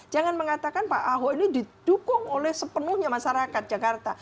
jangan mengatakan pak ahok ini didukung oleh sepenuhnya masyarakat jakarta